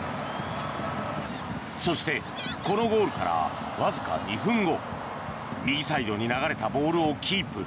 そして、このゴールからわずか２分後右サイドに流れたボールをキープ。